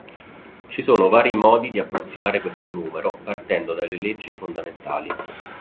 Ci sono vari modi di approssimare questo numero partendo dalle leggi fondamentali.